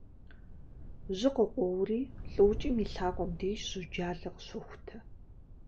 Жьы къыкъуоури лӏыукӏым и лъакъуэм деж жьуджалэ къыщохутэ.